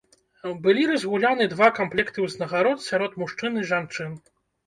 Былі разгуляны два камплекты ўзнагарод сярод мужчын і жанчын.